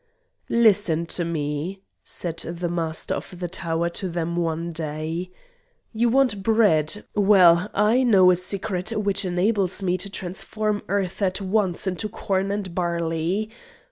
"Listen to me!" said the Master of the tower to them one day. "You want bread. Well, I know a secret which enables me to transform earth at once into corn and barley.